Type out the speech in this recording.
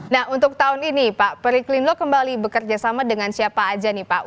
nah untuk tahun ini pak periklindo kembali bekerja sama dengan siapa aja nih pak